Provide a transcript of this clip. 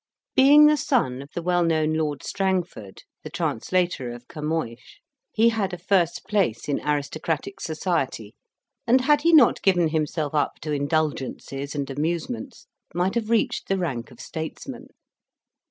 Being the son of the well known Lord Strangford, the translator of Camoens, he had a first place in aristocratic society, and had he not given himself up to indulgences and amusements, might have reached the rank of statesman.